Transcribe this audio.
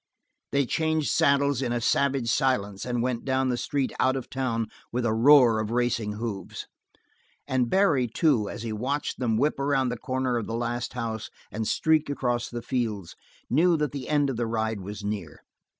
They changed saddles in a savage silence and went down the street out of town with a roar of racing hoofs. And Barry too, as he watched them whip around the corner of the last house and streak across the fields, knew that the end of the ride was near.